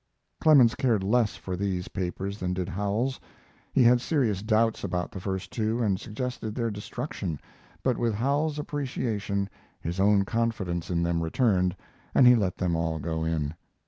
Clemens cared less for these papers than did Howells. He had serious doubts about the first two and suggested their destruction, but with Howells's appreciation his own confidence in them returned and he let them all go in.